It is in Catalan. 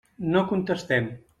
No contestem.